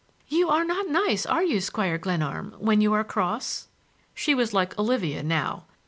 "You are not nice, are you, Squire Glenarm, when you are cross?" She was like Olivia now.